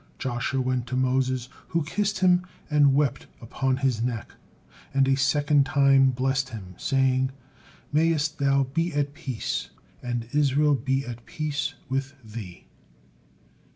Joshua went to Moses, who kissed him and wept upon his neck, and a second time blessed him, saying, "Mayest thou be at peace, and Israel be at peace with thee."